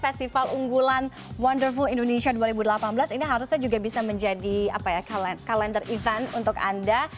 festival unggulan wonderful indonesia dua ribu delapan belas ini harusnya juga bisa menjadi kalender event untuk anda